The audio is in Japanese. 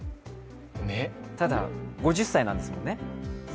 ただ、５０歳までなんですよね。